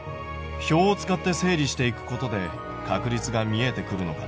表を使って整理していくことで確率が見えてくるのかな？